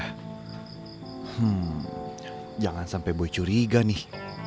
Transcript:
hmm jangan sampe boy curiga nih